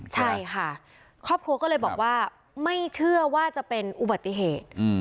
ใช่ค่ะครอบครัวก็เลยบอกว่าไม่เชื่อว่าจะเป็นอุบัติเหตุ